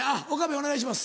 お願いします。